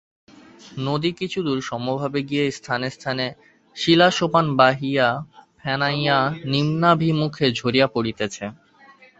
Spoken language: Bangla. নদী কিছুদূর সমভাবে গিয়া স্থানে স্থানে শিলাসোপান বাহিয়া ফেনাইয়া নিম্নাভিমুখে ঝরিয়া পড়িতেছে।